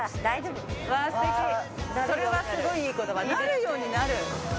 なるようになる。